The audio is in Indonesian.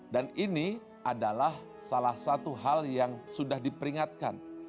dan ini adalah salah satu hal yang sudah diperingatkan